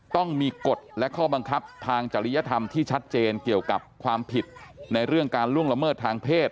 ต้องมีกฎและข้อบังคับทางจริยธรรมที่ชัดเจนเกี่ยวกับความผิดในเรื่องการล่วงละเมิดทางเพศ